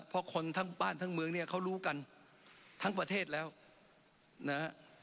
เพราะคนทั้งบ้านทั้งเมืองเนี่ยเขารู้กันทั้งประเทศแล้วนะฮะ